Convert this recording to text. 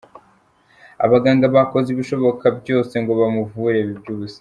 Abaganga bakoze ibishoboka byose ngo bamuvure biba iby’ubusa.